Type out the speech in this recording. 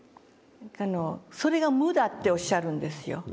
「それが無だ」っておっしゃるんですよ。